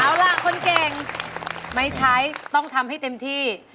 เอาล่ะคนเก่งไม่ใช้ต้องทำให้เต็มที่